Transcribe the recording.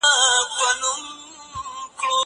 زه کتابتون ته تللي دي!